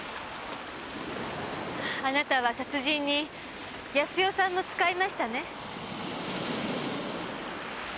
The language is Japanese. あなたは殺人に康代さんも使いましたね？